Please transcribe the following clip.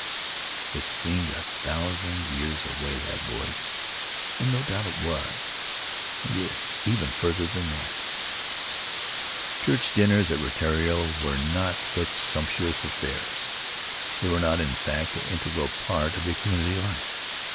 It seemed a thousand years away, that voice; and no doubt it was, and is, even farther than that. Church dinners at Rutiaro were not such sumptuous affairs. They were not, in fact, an integral part of the community life.